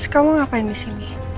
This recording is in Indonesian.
kamu ngapain di sini